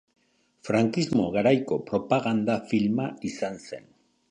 Frankismo garaiko propaganda filma izan zen.